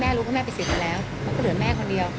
เพื่อมาใช้หนี้กับสิ่งที่เราไม่ได้ก่อ